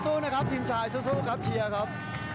สู้นะครับทีมชายสู้ครับเชียร์ครับ